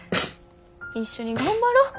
一緒に頑張ろ。